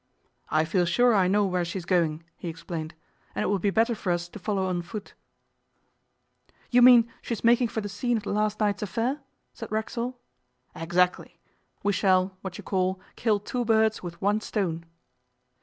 'I feel sure I know where she is going,' he explained, 'and it will be better for us to follow on foot.' 'You mean she is making for the scene of last night's affair?' said Racksole. 'Exactly. We shall what you call, kill two birds with one stone.